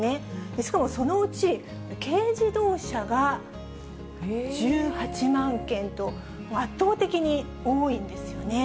しかもそのうち軽自動車が１８万件と、圧倒的に多いんですよね。